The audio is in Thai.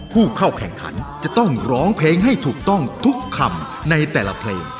ผู้เข้าแข่งขันจะต้องร้องเพลงให้ถูกต้องทุกคำในแต่ละเพลง